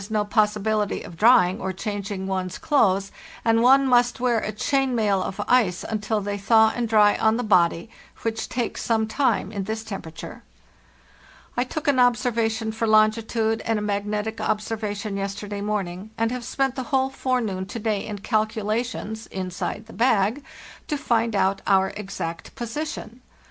Eiebakke, from a photograph) APRIL, 1895 A FARD STRUGGLE 167 possibility of drying or changing one's clothes, and one must wear a chain mail of ice until they thaw and dry on the body, which takes some time in this temperature. | took an observation for longitude and a magnetic obser vation yesterday morning, and have spent the whole fore noon to day in calculations (inside the bag) to find out our exact position.